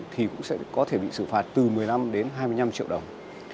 thì cũng sẽ có thể bị xử phạt từ một mươi năm đến hai mươi năm triệu đồng